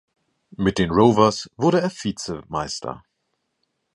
Mit den "Rovers" wurde er Vizemeister.